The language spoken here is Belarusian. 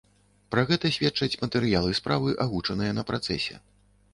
Пра гэта сведчаць матэрыялы справы, агучаныя на працэсе.